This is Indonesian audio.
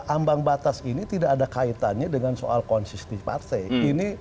ambang batas ini tidak ada kaitannya dengan soal konsistensi partai